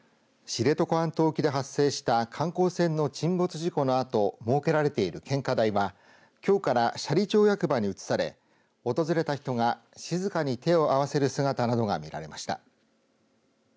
知床半島沖で発生した観光船の沈没事故のあと設けられている献花台はきょうから斜里町役場に移され訪れた人が静かに手を合わせる姿などが見られました。